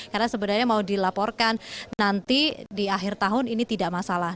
karena sebenarnya mau dilaporkan nanti di akhir tahun ini tidak masalah